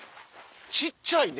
小っちゃいね！